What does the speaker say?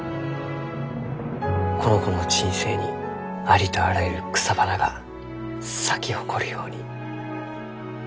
この子の人生にありとあらゆる草花が咲き誇るように。